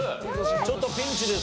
ちょっとピンチですよ。